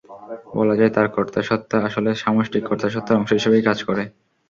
বলা যায়, তার কর্তাসত্তা আসলে সামষ্টিক কর্তাসত্তার অংশ হিসেবেই কাজ করে।